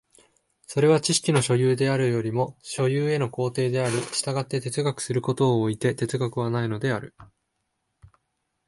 それは知識の所有であるよりも所有への行程であり、従って哲学することを措いて哲学はないのである。